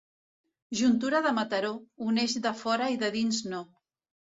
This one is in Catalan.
Juntura de Mataró, uneix de fora i de dins no.